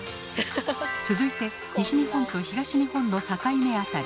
続いて西日本と東日本の境目辺り